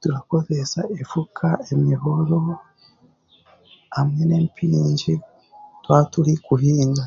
Turakozeesa efuka, emihoro, hamwe n'empingi twaturi kuhinga.